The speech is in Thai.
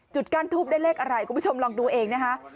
ก้านทูบได้เลขอะไรคุณผู้ชมลองดูเองนะคะ